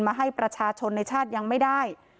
มาให้ประชาชนในชาติยังไม่ได้